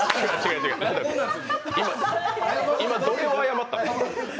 今、どこを謝った？